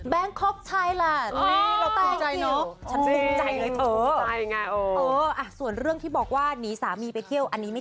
แบงคอกไทยล่ะ